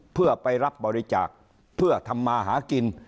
เพื่อไปรับบริจาคเพื่อทำมาหากิน